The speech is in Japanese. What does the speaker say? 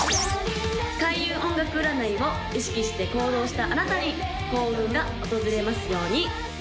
開運音楽占いを意識して行動したあなたに幸運が訪れますように！